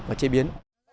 và chế biến